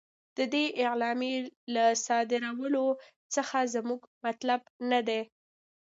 د دې اعلامیې له صادرولو څخه زموږ مطلب نه دی.